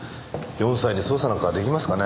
４歳に捜査なんか出来ますかね？